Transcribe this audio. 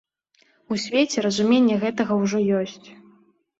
У свеце разуменне гэтага ўжо ёсць.